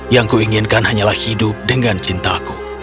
yang kuinginkan hanyalah hidup dengan cintaku